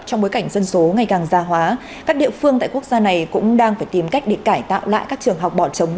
trong bối cảnh dân số ngày càng gia hóa các địa phương tại quốc gia này cũng đang phải tìm cách để cải tạo lại các trường học bọn chống